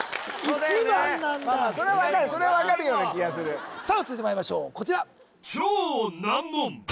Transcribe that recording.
それは分かるそれ分かるような気がするさあ続いてまいりましょうこちら